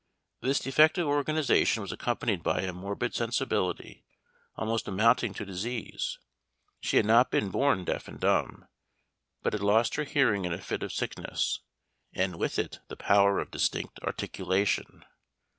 This defective organization was accompanied by a morbid sensibility almost amounting to disease. She had not been born deaf and dumb; but had lost her hearing in a fit of sickness, and with it the power of distinct articulation.